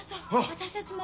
私たちも。